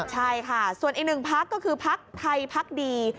ใช่ค่ะส่วนอีกหนึ่งพักก็คือพักไทยพักดี